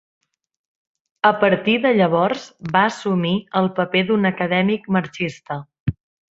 A partir de llavors va assumir el paper d’un acadèmic marxista.